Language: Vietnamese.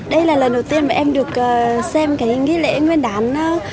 đây là lần đầu tiên mà em được xem cái nghi lễ nguyên đán